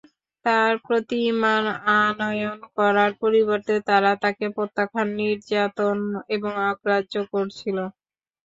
তাঁর প্রতি ঈমান আনয়ন করার পরিবর্তে তারা তাকে প্রত্যাখ্যান, নির্যাতন এবং অগ্রাহ্য করছিল।